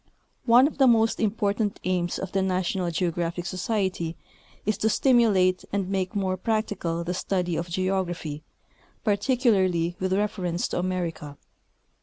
One of the most important aims of the National Geographic Society is to stimulate and make more practical the study of geography, j)articulaiiy with reference to America.